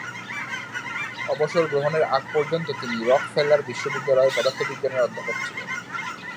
অবসর গ্রহণের আগ পর্যন্ত তিনি রকফেলার বিশ্ববিদ্যালয়ের পদার্থবিজ্ঞানের অধ্যাপক ছিলেন।